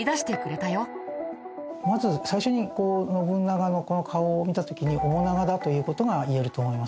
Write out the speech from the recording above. まず最初に信長のこの顔を見た時に面長だという事が言えると思います。